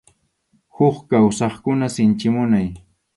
Huk kawsaqkuna sinchi munay.